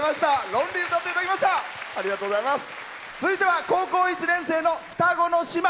続いては高校１年生の双子の姉妹。